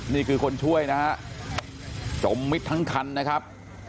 นี่คือคนช่วยนะฮะจมมิดทั้งคันนะครับ